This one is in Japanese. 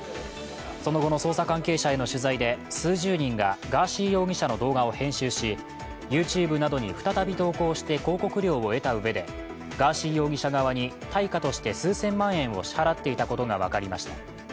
その後の捜査関係者への取材で数十人がガーシー容疑者の動画を編集し、ＹｏｕＴｕｂｅなどに再び投稿して広告料を得たうえでガーシー容疑者側に対価として数千万円を支払っていたことが分かりました。